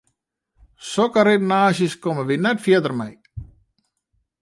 Sokke redenaasjes komme wy net fierder mei.